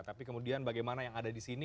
tapi kemudian bagaimana yang ada di sini